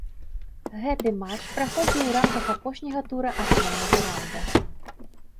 Гэты матч праходзіў у рамках апошняга тура асноўнага раўнда.